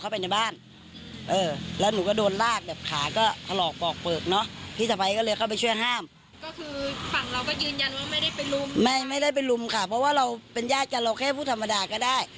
พูดรุมค่ะเพราะว่าเราเป็นญาติกันเราแค่ผู้ธรรมดาก็ได้